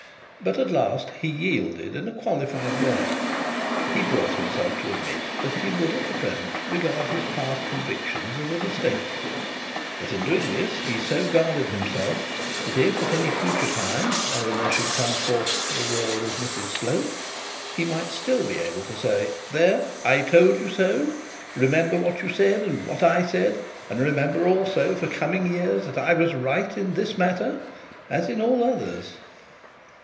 But at last he yielded in a qualified way. He brought himself to admit that he would at the present regard his past convictions as a mistake; but in doing this he so guarded himself, that if, at any future time, Eleanor should come forth to the world as Mrs Slope, he might still be able to say: 'There, I told you so. Remember what you said and what I said; and remember also for coming years, that I was right in this matter as in all others.'